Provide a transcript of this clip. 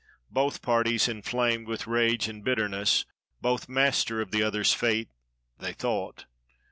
Both parties inflamed with rage and bitterness; both master of the other's fate, they thought.